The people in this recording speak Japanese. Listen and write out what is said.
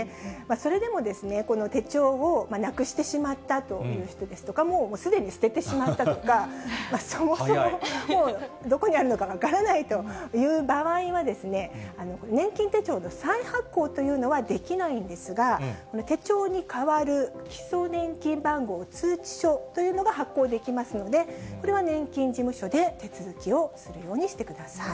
それでも、この手帳をなくしてしまったという人ですとか、すでに捨ててしまったとか、そもそもどこにあるのか分からないという場合はですね、年金手帳の再発行というのはできないんですが、手帳に代わる基礎年金番号通知書というのが発行できますので、これは年金事務所で手続きをするようにしてください。